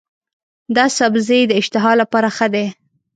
دا سبزی د اشتها لپاره ښه دی.